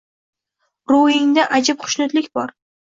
Ro’yingda ajib xushnudlik bor